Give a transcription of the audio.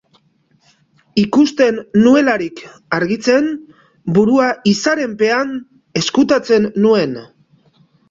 Ikusten nuelarik argitzen, burua izaren pean ezkutatzen nuen.